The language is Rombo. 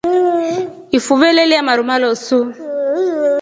Ifuve lelya maru malosu.